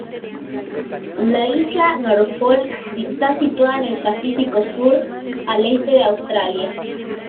La isla Norfolk está situada en el Pacífico Sur, al este de Australia.